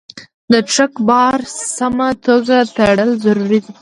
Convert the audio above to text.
د ټرک بار په سمه توګه تړل ضروري دي.